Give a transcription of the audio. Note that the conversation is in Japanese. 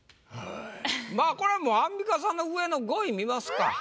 まあこれはもうアンミカさんの上の５位見ますか。